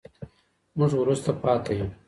موږ وروسته پاتې يو.